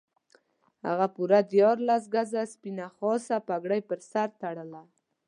هغه پوره دیارلس ګزه سپینه خاصه پګړۍ پر سر تړله.